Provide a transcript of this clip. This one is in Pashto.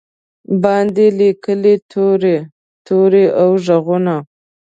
باندې لیکې توري، توري او ږغونه